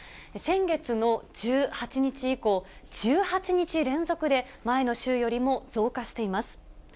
先月の１８日以降、１８日連続で前の週よりも増加しています。